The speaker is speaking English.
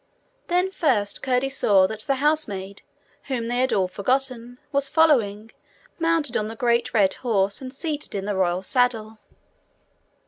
Then first Curdie saw that the housemaid, whom they had all forgotten, was following, mounted on the great red horse, and seated in the royal saddle.